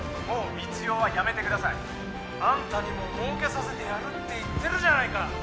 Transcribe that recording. もう密漁はやめてくださいあんたにも儲けさせてやるって言ってるじゃないか！